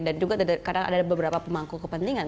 dan juga karena ada beberapa pemangku kepentingan